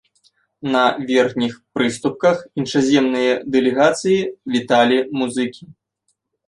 На верхніх прыступках іншаземныя дэлегацыі віталі музыкі.